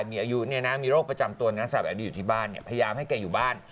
มีอายุมีโรคประจำตัวอย่างดีอยู่ที่บ้านเนี่ยพยายามให้เก่งอยู่บ้าน